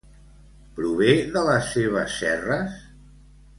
Prové de les seves serres?